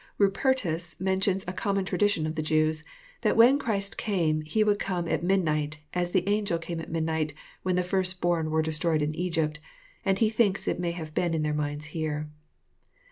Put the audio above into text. Rupertus mentions a common tradition of the Jews, — that when Christ came. He would come at midnight, as the angel came at midnight, when the first born were destroyed in Egypt, and he thinks it may have been in their minds here.